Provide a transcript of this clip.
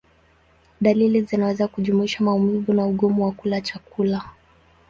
Dalili zinaweza kujumuisha maumivu na ugumu wa kula chakula.